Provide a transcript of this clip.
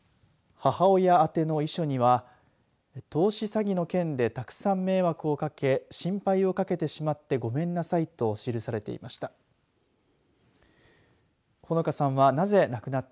母親宛ての遺書には投資詐欺の件でたくさん迷惑をかけ心配をかけてしまってごめんなさいと記されていました。